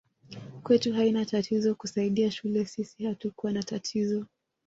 Kwetu haina tatizo kusaidia shule sisi hatukua na tatizo